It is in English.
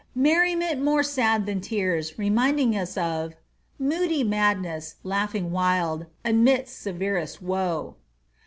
Merriment more sad than tears, remind ing us of Moody madness, laughing wild Amidst severest woe."